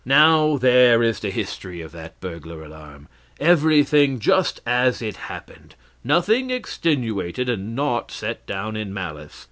"Now there is the history of that burglar alarm everything just as it happened; nothing extenuated, and naught set down in malice.